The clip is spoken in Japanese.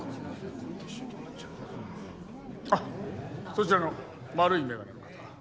あっそちらの丸い眼鏡の方。